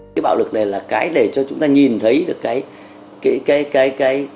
cái bạo lực này là cái để cho chúng ta nhìn thấy được cái